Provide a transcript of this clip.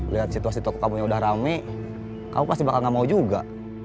lihat situasi toko kamu yang udah rame kamu pasti bakal nggak mau juga